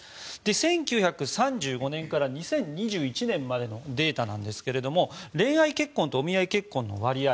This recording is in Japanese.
１９３５年から２０２１年までのデータなんですけど恋愛結婚とお見合い結婚の割合